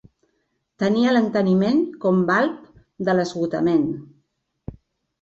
Tenia l'enteniment com balb de l'esgotament.